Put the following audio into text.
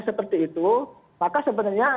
seperti itu maka sebenarnya